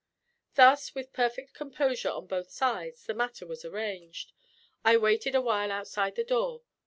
Thus, with perfect composure on both sides, the matter was arranged. I waited a while outside her door.